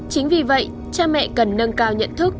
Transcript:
chính vì vậy cha mẹ cần nâng cao nhận thức